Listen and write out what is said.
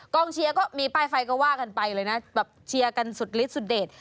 เชียร์ก็มีป้ายไฟก็ว่ากันไปเลยนะแบบเชียร์กันสุดฤทธสุดเด็ด